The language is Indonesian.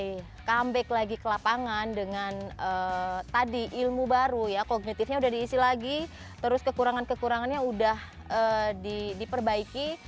setelah dua ribu tiga mulai comeback lagi ke lapangan dengan tadi ilmu baru ya kognitifnya udah diisi lagi terus kekurangan kekurangannya udah diperbaiki